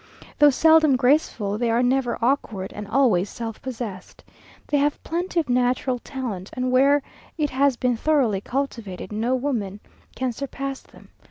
Though seldom graceful, they are never awkward, and always self possessed. They have plenty of natural talent, and where it has been thoroughly cultivated, no women can surpass them.